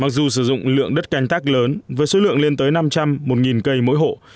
dù sử dụng lượng đất canh tác lớn với số lượng lên tới năm trăm linh một cây mỗi hộ